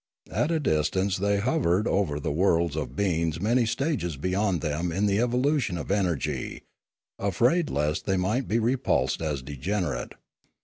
At a distance they hovered over the worlds of beings many stages beyond them in the evolution of energy, afraid lest they might be re pulsed as degenerate.